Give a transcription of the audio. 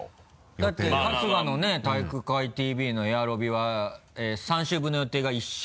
だって春日のね「体育会ＴＶ」のエアロビは３週分の予定が１週。